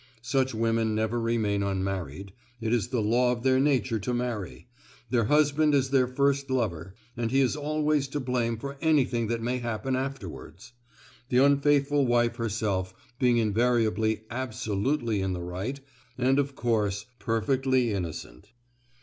Such women never remain unmarried,—it is the law of their nature to marry,—their husband is their first lover, and he is always to blame for anything that may happen afterwards; the unfaithful wife herself being invariably absolutely in the right, and of course perfectly innocent.